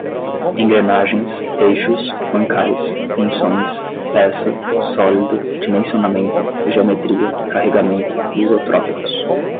Engrenagens, eixos, mancais, tensões, peça, sólido, dimensionamento, geometria, carregamento, isotrópicos